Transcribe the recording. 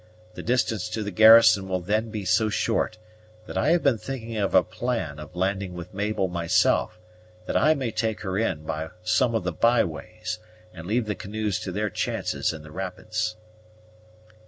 The distance to the garrison will then be so short, that I have been thinking of a plan of landing with Mabel myself, that I may take her in, by some of the by ways, and leave the canoes to their chances in the rapids."